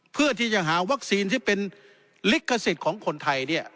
เพื่อที่จะหาวัคซีนที่เป็นลิขสิทธิ์ของคนไทย